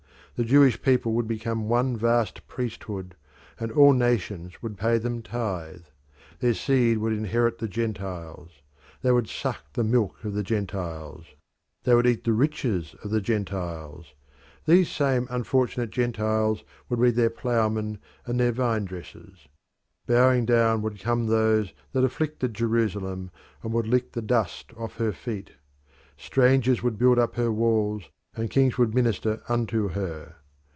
The Jewish people would become one vast priesthood, and all nations would pay them tithe. Their seed would inherit the Gentiles. They would suck the milk of the Gentiles. They would eat the riches of the Gentiles. These same unfortunate Gentiles would be their ploughmen and their vine dressers. Bowing down would come those that afflicted Jerusalem, and would lick the dust off her feet. Strangers would build up her walls, and kings would minister unto her.